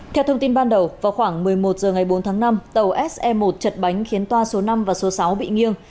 theo thông tin ban đầu vào khoảng một mươi một h ngày bốn tháng năm tàu se một chật bánh khiến toa số năm và số sáu bị nghiêng